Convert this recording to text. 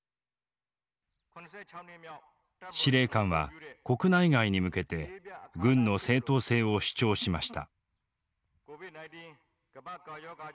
司令官は国内外に向けて軍の正当性を主張しました。